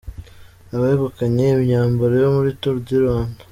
Abegukanye imyambaro yo muri Tour du Rwanda:.